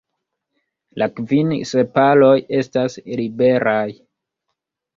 La kvin sepaloj estas liberaj.